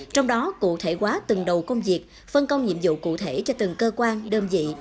trong đó cụ thể quá từng đầu công việc phân công nhiệm vụ cụ thể cho từng cơ quan đơn vị